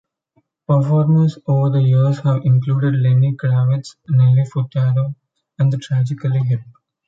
Performers over the years have included Lenny Kravitz, Nelly Furtado, and The Tragically Hip.